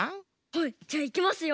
はいじゃあいきますよ。